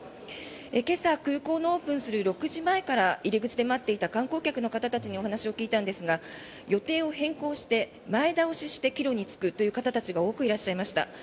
今朝空港のオープンする６時前から入り口で待っていた観光客の方たちにお話を聞いたんですが予定を変更して前倒しして帰路に就くという方たちが多くいらっしゃいました。